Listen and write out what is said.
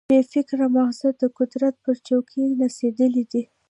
بې فکره ماغزه د قدرت پر چوکۍ نڅېدلي دي.